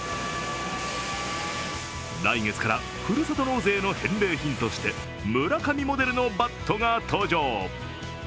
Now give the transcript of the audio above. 来月からふるさと納税の返礼品として、村上モデルのバットが登場。